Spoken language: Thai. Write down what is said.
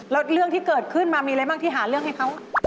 แล้วเรื่องที่เกิดขึ้นมามีอะไรบ้างที่หาเรื่องให้เขา